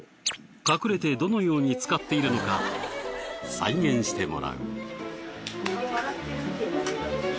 隠れてどのように使っているのか再現してもらう。